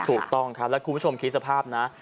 ถูกต้องครับแล้วคุณผู้ชมคิดสภาพนะ